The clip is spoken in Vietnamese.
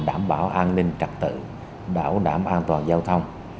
để đảm bảo an ninh trật tự đảm bảo an toàn giao thông